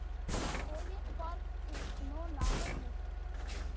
Avian Park is no longer used.